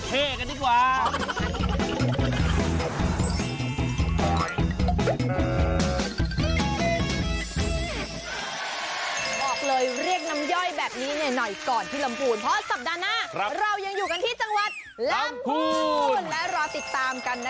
แต่ตอนนี้เราหิวเลยนะครับงั้นก็แยกอย่าง